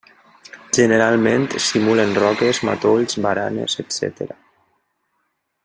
Generalment simulen roques, matolls, baranes, etcètera.